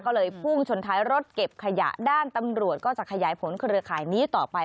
ก็เลยพุ่งชนท้ายรถเก็บขยะด้านตำรวจก็จะขยายผลเครือข่ายนี้ต่อไป